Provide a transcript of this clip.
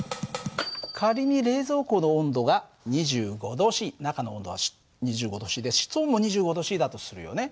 仮に冷蔵庫の温度が２５℃中の温度は２５℃で室温も２５℃だとするよね。